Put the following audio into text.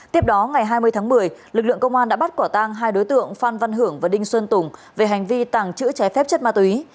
tiếp đó ngày hai mươi tháng một mươi lực lượng công an đã bắt quả tang hai đối tượng phan văn hưởng và đinh xuân tùng về hành vi tàng trữ trái phép chất ma túy